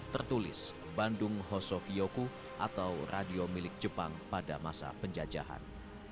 tertulis bandung hosokioku atau radio milik jepang pada masa penjajahan